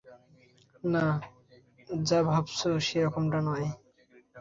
না, যা ভাবছ সেরকমটা নয়!